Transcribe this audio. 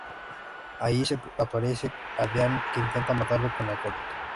Allí se le aparece a Dean, que intenta matarlo con la Colt.